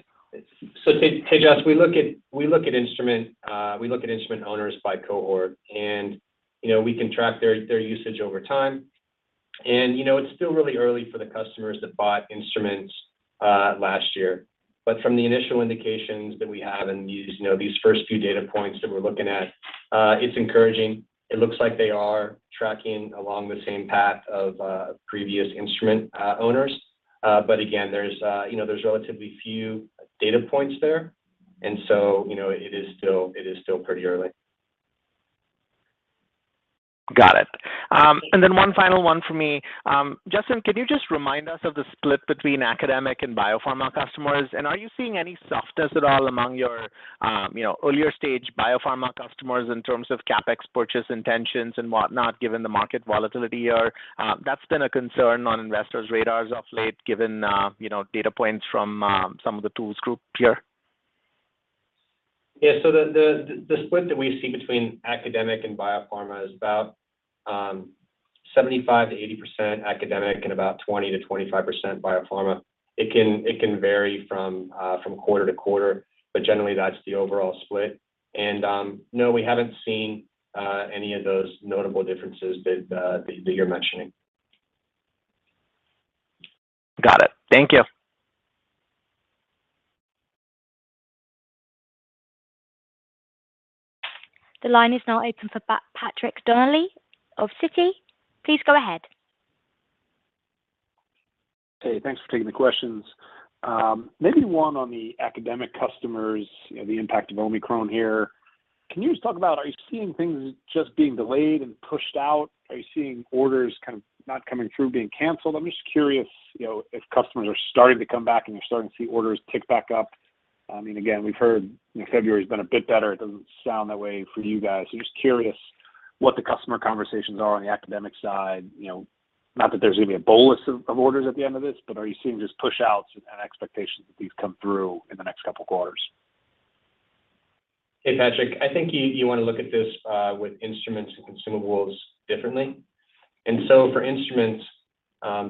Tejas, we look at instrument owners by cohort and, you know, we can track their usage over time. You know, it's still really early for the customers that bought instruments last year. From the initial indications that we have and these, you know, these first few data points that we're looking at, it's encouraging. It looks like they are tracking along the same path of previous instrument owners. But again, there's, you know, there's relatively few data points there, and so, you know, it is still pretty early. Got it. One final one for me. Justin, can you just remind us of the split between academic and biopharma customers? Are you seeing any softness at all among your, you know, earlier stage biopharma customers in terms of CapEx purchase intentions and whatnot, given the market volatility here? That's been a concern on investors' radars of late given, you know, data points from some of the tools group here. Yeah. The split that we see between academic and biopharma is about 75%-80% academic and about 20%-25% biopharma. It can vary from quarter to quarter, but generally that's the overall split. No, we haven't seen any of those notable differences that you're mentioning. Got it. Thank you. The line is now open for Patrick Donnelly of Citi. Please go ahead. Hey, thanks for taking the questions. Maybe one on the academic customers, you know, the impact of Omicron here. Can you just talk about, are you seeing things just being delayed and pushed out? Are you seeing orders kind of not coming through, being canceled? I'm just curious, you know, if customers are starting to come back and you're starting to see orders tick back up. I mean, again, we've heard, you know, February's been a bit better. It doesn't sound that way for you guys. So just curious what the customer conversations are on the academic side. You know, not that there's going to be a bolus of orders at the end of this, but are you seeing just pushouts and expectations that these come through in the next couple of quarters? Hey, Patrick. I think you want to look at this with instruments and consumables differently. For instruments,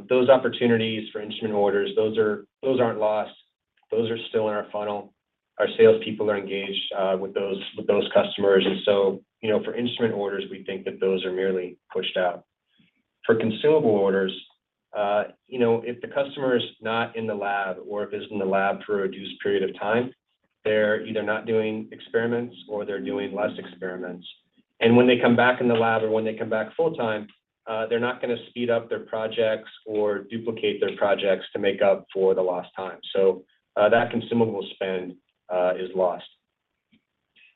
those opportunities for instrument orders, those aren't lost. Those are still in our funnel. Our sales people are engaged with those customers. You know, for instrument orders, we think that those are merely pushed out. For consumable orders, you know, if the customer is not in the lab or if it's in the lab for a reduced period of time, they're either not doing experiments or they're doing less experiments. When they come back in the lab or when they come back full-time, they're not gonna speed up their projects or duplicate their projects to make up for the lost time. That consumable spend is lost.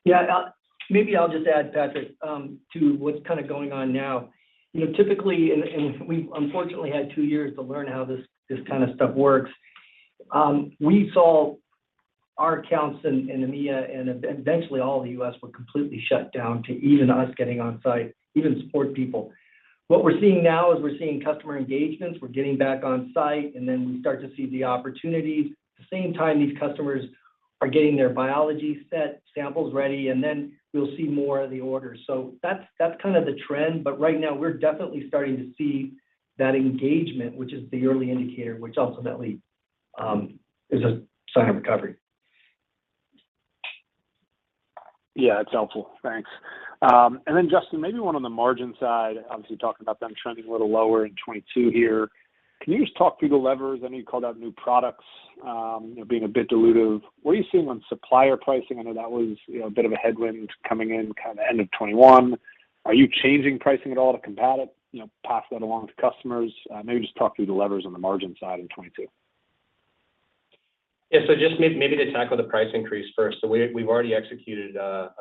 Yeah. Maybe I'll just add, Patrick, to what's kind of going on now. You know, typically, and we've unfortunately had two years to learn how this kind of stuff works. We saw our accounts in EMEA and eventually all of the U.S. were completely shut down to even us getting on site, even support people. What we're seeing now is we're seeing customer engagements. We're getting back on site, and then we start to see the opportunities. At the same time, these customers are getting their biology set, samples ready, and then we'll see more of the orders. So that's kind of the trend. But right now we're definitely starting to see that engagement, which is the early indicator, which ultimately is a sign of recovery. Yeah, it's helpful. Thanks. Justin, maybe one on the margin side, obviously talking about them trending a little lower in 2022 here. Can you just talk through the levers? I know you called out new products, you know, being a bit dilutive. What are you seeing on supplier pricing? I know that was, you know, a bit of a headwind coming in kind of end of 2021. Are you changing pricing at all to combat it, you know, pass that along to customers? Maybe just talk through the levers on the margin side in 2022. Yeah. Just maybe to tackle the price increase first. We've already executed a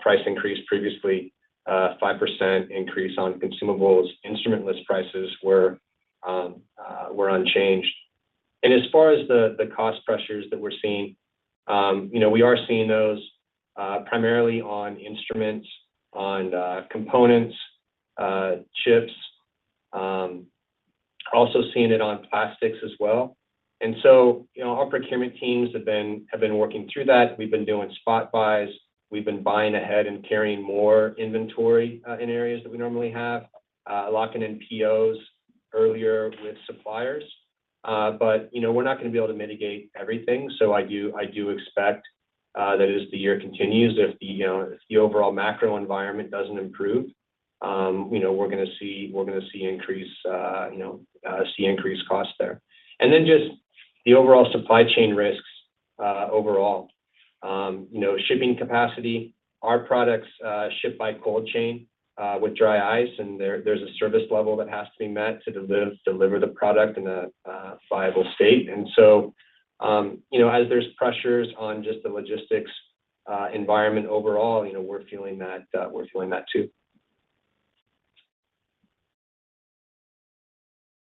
price increase previously, 5% increase on consumables. Instrument list prices were unchanged. As far as the cost pressures that we're seeing, you know, we are seeing those primarily on instruments, on components, chips, also seeing it on plastics as well. You know, our procurement teams have been working through that. We've been doing spot buys. We've been buying ahead and carrying more inventory in areas that we normally have locking in POs earlier with suppliers. But you know, we're not gonna be able to mitigate everything. I do expect that as the year continues, if, you know, if the overall macro environment doesn't improve- You know, we're gonna see increased costs there. Then just the overall supply chain risks overall. You know, shipping capacity, our products ship by cold chain with dry ice, and there's a service level that has to be met to deliver the product in a viable state. You know, as there's pressures on just the logistics environment overall, you know, we're feeling that too.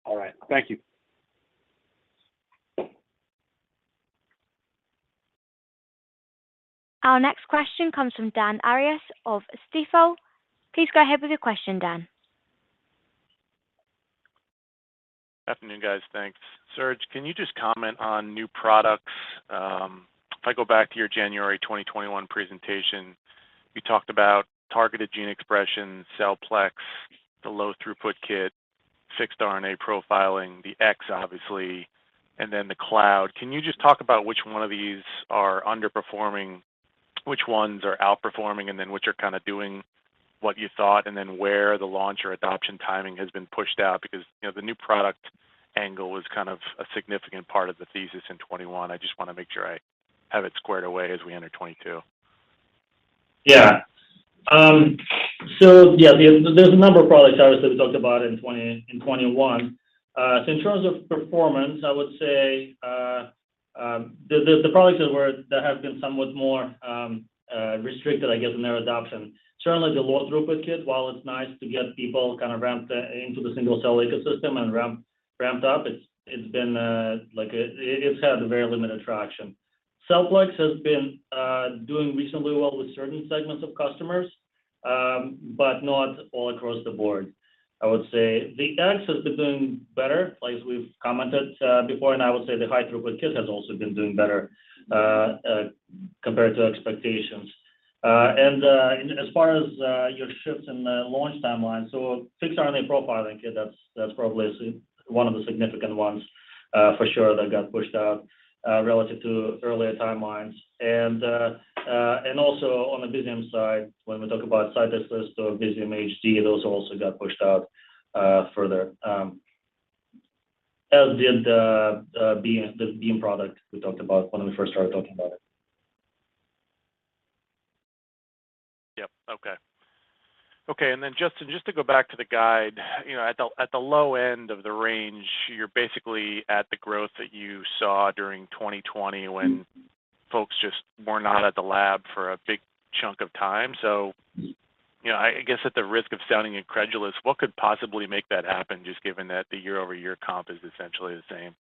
All right. Thank you. Our next question comes from Dan Arias of Stifel. Please go ahead with your question, Dan. Afternoon, guys. Thanks. Serge, can you just comment on new products? If I go back to your January 2021 presentation, you talked about Targeted Gene Expression, CellPlex, the Low Throughput Kit, Fixed RNA Profiling, the X obviously, and then the cloud. Can you just talk about which one of these are underperforming, which ones are outperforming, and then which are kind of doing what you thought, and then where the launch or adoption timing has been pushed out? Because, you know, the new product angle was kind of a significant part of the thesis in 2021. I just wanna make sure I have it squared away as we enter 2022. Yeah. There's a number of products obviously we talked about in 2021. In terms of performance, I would say the products that have been somewhat more restricted, I guess, in their adoption. Certainly the Low Throughput Kit, while it's nice to get people kind of ramped into the single-cell ecosystem and ramped up, it's had a very limited traction. CellPlex has been doing reasonably well with certain segments of customers, but not all across the board. I would say the X has been doing better, like we've commented before, and I would say the High Throughput Kit has also been doing better compared to expectations. As far as your shifts in the launch timeline, Fixed RNA Profiling Kit, that's probably one of the significant ones for sure that got pushed out relative to earlier timelines. Also on the Visium side, when we talk about CytAssist or Visium HD, those also got pushed out further, as did the BEAM product we talked about when we first started talking about it. Yep. Okay. Okay, Justin, just to go back to the guide, you know, at the low end of the range, you're basically at the growth that you saw during 2020 when folks just were not at the lab for a big chunk of time. You know, I guess at the risk of sounding incredulous, what could possibly make that happen, just given that the year-over-year comp is essentially the same?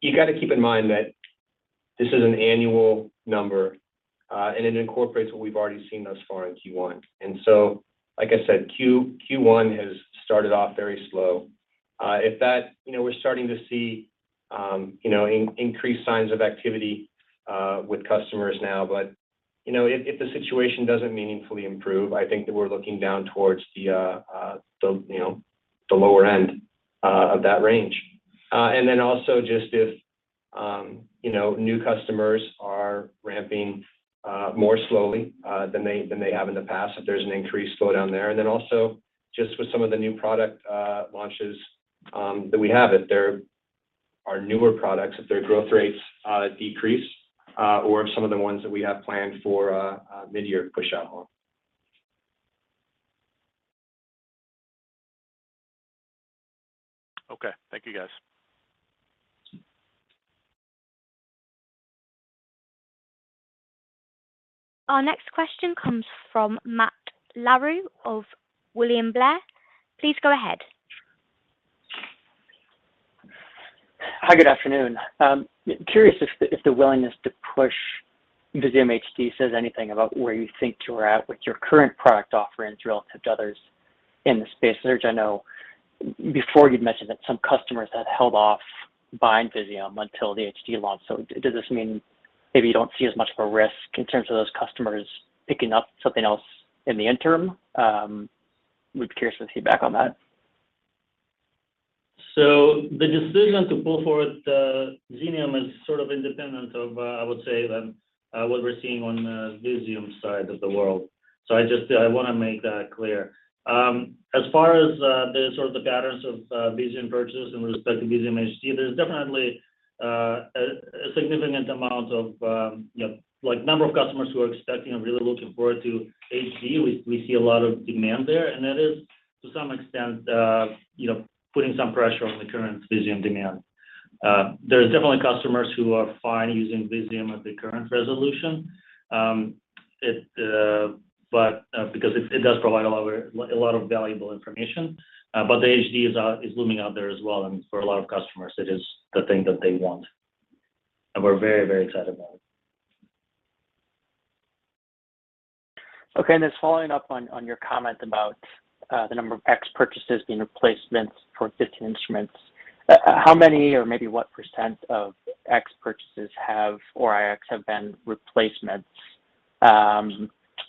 You gotta keep in mind that this is an annual number, and it incorporates what we've already seen thus far in Q1. Like I said, Q1 has started off very slow. You know, we're starting to see increased signs of activity with customers now, but you know, if the situation doesn't meaningfully improve, I think that we're looking down towards the lower end of that range. And then also just if you know, new customers are ramping more slowly than they have in the past, if there's an increasing slowdown there. Then also just with some of the new product launches that we have, if there are newer products, if their growth rates decrease, or if some of the ones that we have planned for mid-year push out home. Okay. Thank you, guys. Our next question comes from Matt Larew of William Blair. Please go ahead. Hi, good afternoon. I'm curious if the willingness to push Visium HD says anything about where you think you're at with your current product offerings relative to others in the space. Serge, I know before you'd mentioned that some customers had held off buying Visium until the HD launched. Does this mean maybe you don't see as much of a risk in terms of those customers picking up something else in the interim? I would be curious for feedback on that. The decision to pull forward the Xenium is sort of independent of, I would say than, what we're seeing on the Visium side of the world. I just I wanna make that clear. As far as the sort of patterns of Visium purchase in respect to Visium HD, there's definitely a significant amount of, you know, like number of customers who are expecting and really looking forward to HD. We see a lot of demand there, and that is to some extent, you know, putting some pressure on the current Visium demand. There's definitely customers who are fine using Visium at the current resolution. But it does provide a lot of valuable information. The HD is looming out there as well, and for a lot of customers it is the thing that they want, and we're very, very excited about it. Okay. Following up on your comment about the number of X purchases being replacements for existing instruments, how many or maybe what percent of X purchases or iX have been replacements?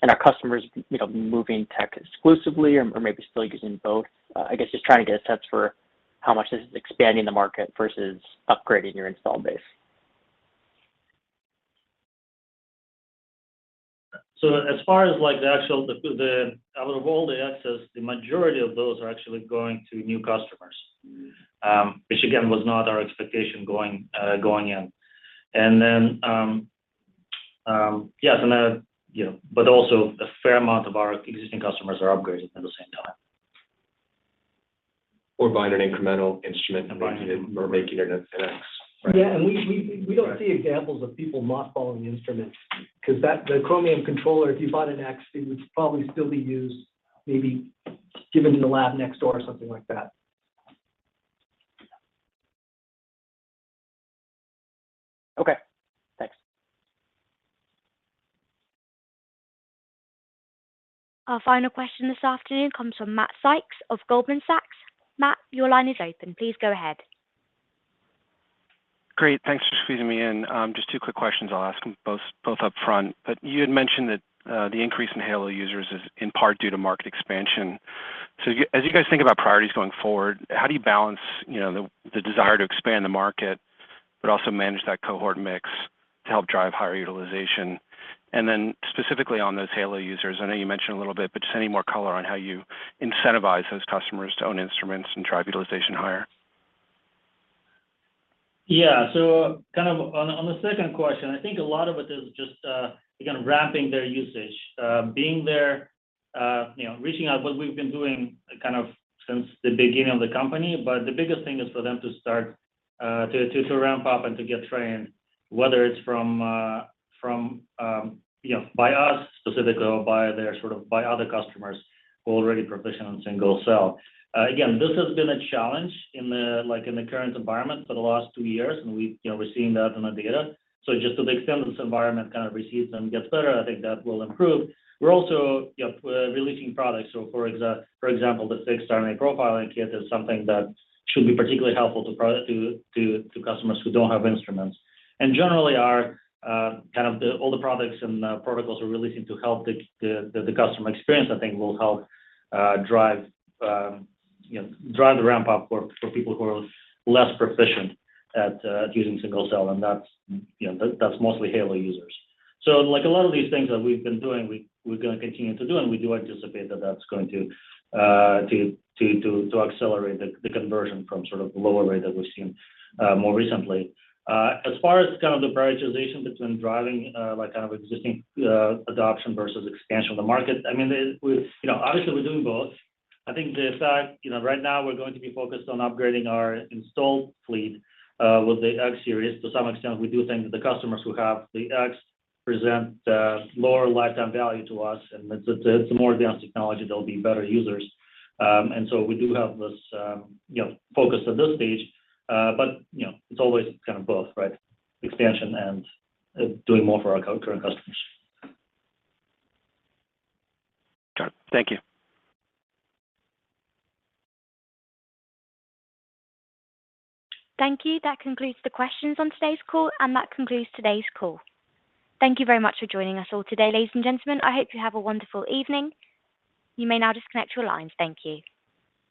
And are customers, you know, moving tech exclusively or maybe still using both? I guess just trying to get a sense for how much is expanding the market versus upgrading your installed base? As far as like the actual out of all the X's, the majority of those are actually going to new customers, which again, was not our expectation going in. Then, yeah, and, you know, but also a fair amount of our existing customers are upgrading at the same time. Buying an incremental instrument and making it, or making it an X, right? Yeah. We don't see examples of people not following the instruments 'cause the Chromium Controller, if you bought an X, it would probably still be used, maybe given to the lab next door or something like that. Okay, thanks. Our final question this afternoon comes from Matt Sykes of Goldman Sachs. Matt, your line is open. Please go ahead. Great. Thanks for squeezing me in. Just two quick questions. I'll ask them both up front. You had mentioned that the increase in HALO users is in part due to market expansion. As you guys think about priorities going forward, how do you balance, you know, the desire to expand the market but also manage that cohort mix to help drive higher utilization? Specifically on those HALO users, I know you mentioned a little bit, but just any more color on how you incentivize those customers to own instruments and drive utilization higher. Yeah. Kind of on the second question, I think a lot of it is just again ramping their usage, being there, you know, reaching out what we've been doing kind of since the beginning of the company. The biggest thing is for them to start to ramp up and to get trained, whether it's from by us specifically or by their sort of by other customers who are already proficient on single cell. Again, this has been a challenge in the like in the current environment for the last two years, and we've you know we're seeing that in the data. Just to the extent that this environment kind of relieves and gets better, I think that will improve. We're also you know releasing products. For example, the Fixed RNA Profiling Kit is something that should be particularly helpful to customers who don't have instruments. Generally our all the products and protocols we're releasing to help the customer experience, I think will help drive you know drive the ramp up for people who are less proficient at using single cell. That's you know that's mostly HALO users. Like a lot of these things that we've been doing, we're gonna continue to do, and we do anticipate that that's going to accelerate the conversion from sort of the lower rate that we've seen more recently. As far as kind of the prioritization between driving, like kind of existing adoption versus expansion of the market, I mean, we've, you know, obviously we're doing both. I think, in fact, you know, right now we're going to be focused on upgrading our installed fleet with the X series. To some extent, we do think that the customers who have the X represent higher lifetime value to us, and it's a more advanced technology, they'll be better users. We do have this, you know, focus at this stage. You know, it's always kind of both, right? Expansion and doing more for our current customers. Sure. Thank you. Thank you. That concludes the questions on today's call, and that concludes today's call. Thank you very much for joining us all today, ladies and gentlemen. I hope you have a wonderful evening. You may now disconnect your lines. Thank you.